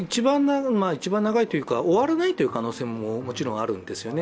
一番長いというか、終わらないという可能性ももちろんあるんですよね。